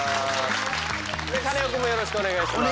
カネオくんもよろしくお願いします。